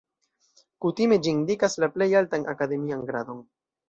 Kutime ĝi indikas la plej altan akademian gradon.